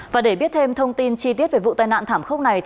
và để biết thêm thông tin chi tiết về vụ tai nạn thảm khốc này